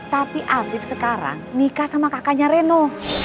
tapi abib sekarang nikah sama kakaknya reno